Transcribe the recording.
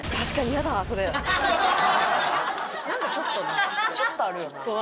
なんかちょっとなちょっとあるよな。